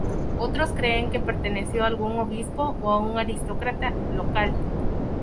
Otros creen que perteneció a algún obispo, o a un aristócrata local.